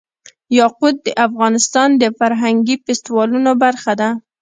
یاقوت د افغانستان د فرهنګي فستیوالونو برخه ده.